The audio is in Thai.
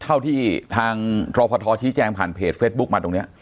เท่าที่ทางรพทชี้แจงผ่านเพจเฟซบุ๊คมาตรงนี้